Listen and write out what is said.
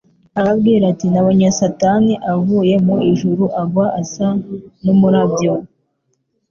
Arababwira ati: Nabonye Satani avuye mu ijuru agwa asa n'umurabyo»